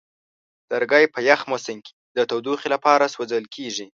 لرګی په یخ موسم کې د تودوخې لپاره سوځول کېږي.